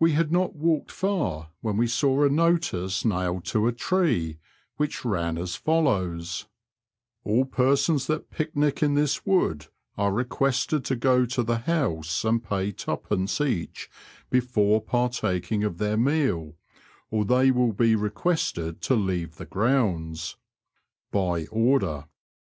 We had not walked far when we saw a notice nailed to a tree which ran as follows :—" All persons that picnic in this wood are requested to go to the house and pay twopence each before partaking of their meal, or they will be requested to leave the grounds. By order."